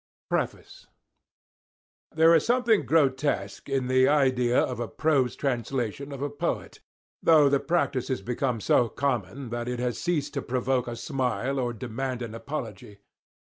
PREFACE There is something grotesque in the idea of a prose translation of a poet, though the practice is become so common that it has ceased to provoke a smile or demand an apology.